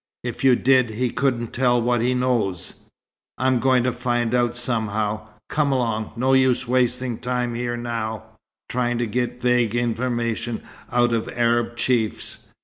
"If you did, he couldn't tell what he knows." "I'm going to find out somehow. Come along, no use wasting time here now, trying to get vague information out of Arab chiefs.